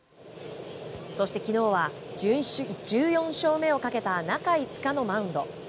そして昨日は１４勝目をかけた中５日のマウンド。